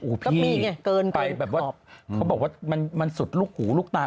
ก็มีไงเกินไปแบบว่าเขาบอกว่ามันมันสุดลูกหูลูกตา